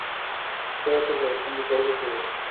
পেয়ে তো যাবো, কিন্তু ধরবো কীভাবে?